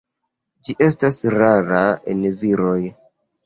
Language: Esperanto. Ĝi estas rara en viroj.